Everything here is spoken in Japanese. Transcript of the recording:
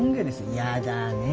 嫌だね。